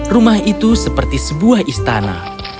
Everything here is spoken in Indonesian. rumah itu seperti sebuah istana